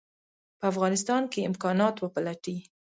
په افغانستان کې امکانات وپلټي.